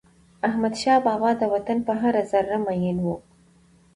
احمدشاه بابا د وطن پر هره ذره میین و.